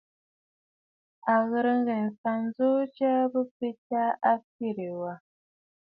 À ghɨ̀rə ŋghɛ̀ɛ̀ m̀fa ǹjoo jya jìi bɨ betə aa, a mfiʼi ɨlɛ̀ɛ̂ waa.